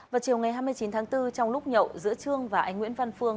vào chiều ngày hai mươi chín tháng bốn trong lúc nhậu giữa trương và anh nguyễn văn phương